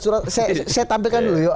saya tampilkan dulu